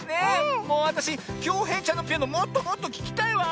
もうわたしきょうへいちゃんのピアノもっともっとききたいわ！